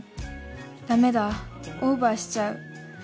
だめだオーバーしちゃう。